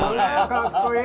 かっこいい！